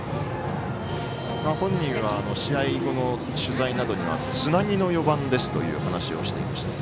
本人は試合後の取材などではつなぎの４番ですという話をしていました。